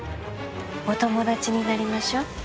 お友達になりましょう。